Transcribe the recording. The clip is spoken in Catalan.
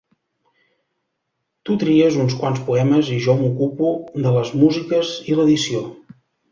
Tu tries uns quants poemes i jo m'ocupo de les músiques i l'edició.